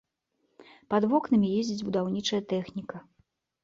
Пад вокнамі ездзіць будаўнічая тэхніка.